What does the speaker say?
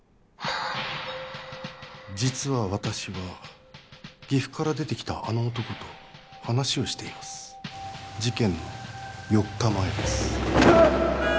実は私は岐阜から出てきたあの男と話をしています事件の４日前です